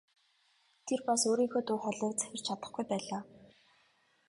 Тэр бас өөрийнхөө дуу хоолойг захирч чадахгүй байлаа.